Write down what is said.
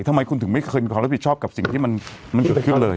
ทำไมคุณถึงไม่เคยมีความรับผิดชอบกับสิ่งที่มันเกิดขึ้นเลย